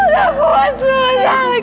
ya allah sus sakit